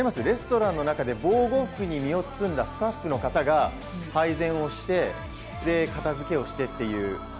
レストランの中で防護服に身を包んだスタッフの方が配膳をして片づけをしてっていう。